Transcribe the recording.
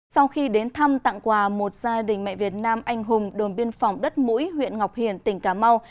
sau khi đến thăm tặng quà một gia đình mẹ việt nam anh hùng đồn biên phòng đất mũi huyện ngọc hiển tỉnh cà mau